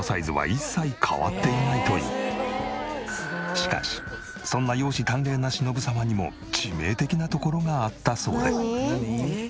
しかしそんな容姿端麗な忍様にも致命的なところがあったそうで。